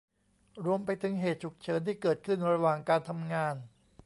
รวมไปถึงเหตุฉุกเฉินที่เกิดขึ้นระหว่างการทำงาน